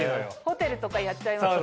ホテルとかやっちゃいます。